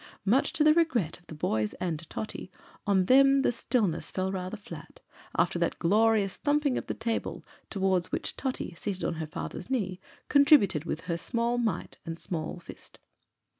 Much to the regret of the boys and Totty; on them the stillness fell rather flat, after that glorious thumping of the table, toward which Totty, seated on her father's knee, contributed with her small might and small fist.